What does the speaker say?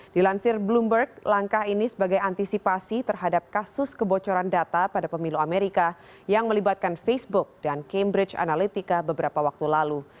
dilansir bloomberg langkah ini sebagai antisipasi terhadap kasus kebocoran data pada pemilu amerika yang melibatkan facebook dan cambridge analytica beberapa waktu lalu